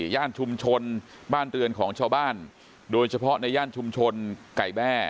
ย่านชุมชนบ้านเรือนของชาวบ้านโดยเฉพาะในย่านชุมชนไก่แบ้